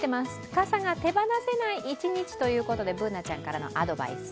傘が手放せない一日ということでＢｏｏｎａちゃんからのアドバイス。